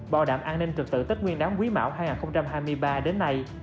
bò đạm an ninh trật tự tết nguyên đáng quý mạo hai nghìn hai mươi ba đến nay